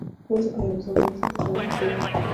نو ځکه يو انسان بل انسان ته شرمښ دی